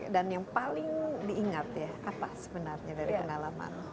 dan yang paling diingat ya apa sebenarnya dari kenalaman